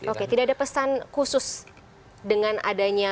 oke tidak ada pesan khusus dengan adanya